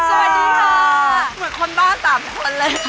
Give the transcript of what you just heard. เหมือนคนบ้านต่างคนเลย